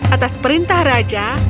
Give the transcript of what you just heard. atas perintah raja